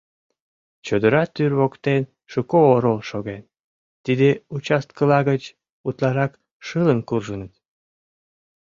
Чодыра тӱр воктен шуко орол шоген: тиде участкыла гыч утларак шылын куржыныт.